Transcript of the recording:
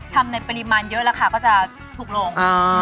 ทำในปริมาณเยอะราคาก็จะถูกลง